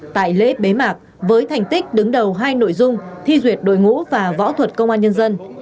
tại lễ bế mạc với thành tích đứng đầu hai nội dung thi duyệt đội ngũ và võ thuật công an nhân dân